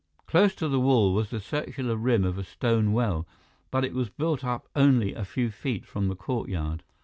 Close to the wall was the circular rim of a stone well, but it was built up only a few feet from the courtyard.